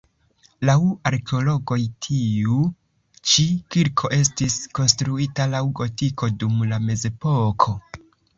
Laŭ arkeologoj tiu ĉi kirko estis konstruita laŭ gotiko dum la mezepoko.